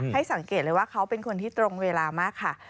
ให้สังเกตเลยว่าเขาเป็นคนที่ตรงเวลามากค่ะ